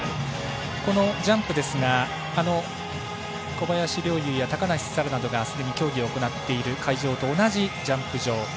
このジャンプですが小林陵侑や高梨沙羅などがすでに競技を行っている会場と同じジャンプ場。